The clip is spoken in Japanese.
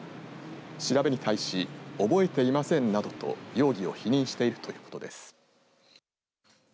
調べに対し覚えていませんなどと容疑を否認しているということです。